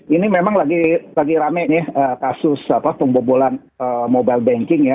ini memang lagi rame nih kasus pembobolan mobile banking ya